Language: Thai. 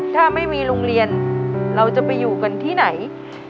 ถ้าไม่มีโรงเรียนเราจะไปอยู่กันที่ไหน